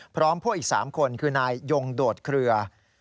พร้อมพวกอีก๓คนคือนายยงโดดเคลือ